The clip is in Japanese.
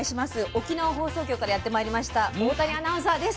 沖縄放送局からやってまいりました大谷アナウンサーです。